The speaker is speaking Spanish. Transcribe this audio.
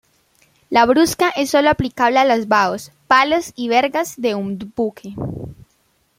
La brusca es solo aplicable a los baos, palos y vergas de un buque.